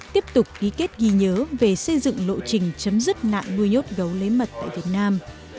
tiếp tục ký kết ghi nhớ về xây dựng lộ trình chấm dứt nạn nuôi nhốt gấu lấy mật tại việt nam